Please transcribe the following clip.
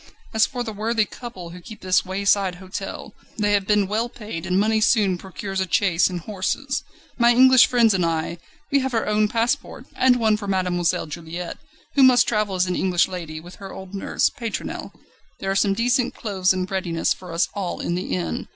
As for the worthy couple who keep this wayside hostel, they have been well paid, and money soon procures a chaise and horses. My English friends and I, we have our own passports, and one for Mademoiselle Juliette, who must travel as an English lady, with her old nurse, Pétronelle. There are some decent clothes in readiness for us all in the inn.